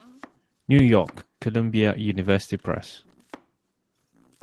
New York: Columbia University Press.